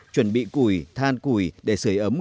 chuẩn bị củi than củi để sửa ấm